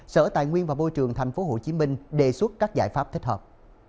sở tài nguyên và môi trường tp hcm đề xuất các giải pháp thích hợp